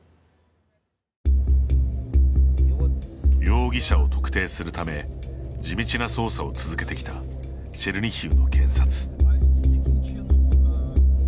容疑者を特定するため地道な捜査を続けてきたチェルニヒウの検察。